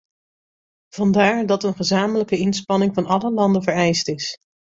Vandaar dat een gezamenlijke inspanning van alle landen vereist is.